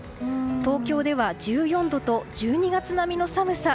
東京では１４度と１２月並みの寒さ。